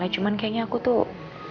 cuman kayaknya aku tuh